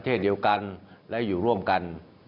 วันนี้นั้นผมจะมาพูดคุยกับทุกท่าน